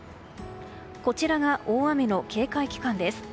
こちらが大雨の警戒期間です。